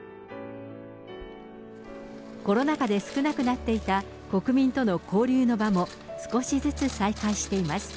コロナ禍で少なくなっていた、国民との交流の場も、少しずつ再開しています。